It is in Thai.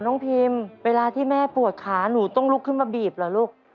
พิมเวลาที่แม่ปวดขาหนูต้องลุกขึ้นมาบีบเหรอลูก